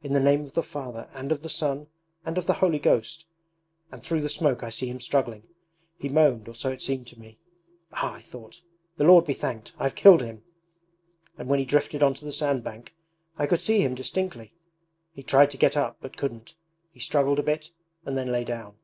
"In the name of the Father and of the Son and of the Holy Ghost"... and through the smoke I see him struggling. He moaned, or so it seemed to me. "Ah," I thought, "the Lord be thanked, I've killed him!" And when he drifted onto the sand bank I could see him distinctly: he tried to get up but couldn't. He struggled a bit and then lay down.